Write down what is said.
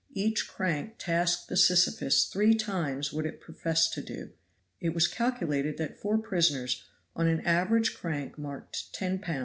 Each crank tasked the Sisyphus three times what it professed to do. It was calculated that four prisoners, on an average crank marked 10 lb.